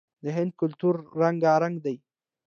د هند کلتور رنګارنګ دی.